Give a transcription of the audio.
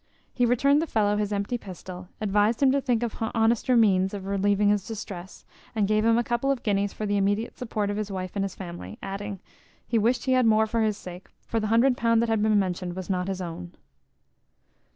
He returned the fellow his empty pistol, advised him to think of honester means of relieving his distress, and gave him a couple of guineas for the immediate support of his wife and his family; adding, "he wished he had more for his sake, for the hundred pound that had been mentioned was not his own."